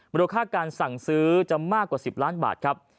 มูลค่าการสั่งซื้อจะมากกว่า๑๐ล้านบาทครับ